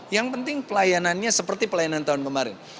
yang penting pelayanannya seperti pelayanan tahun kemarin